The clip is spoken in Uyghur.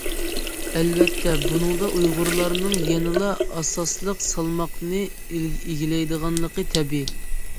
ئەلۋەتتە، بۇنىڭدا ئۇيغۇرلارنىڭ يەنىلا ئاساسلىق سالماقنى ئىگىلەيدىغانلىقى تەبىئىي.